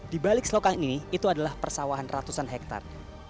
di balik selokan ini itu adalah persawahan ratusan hektare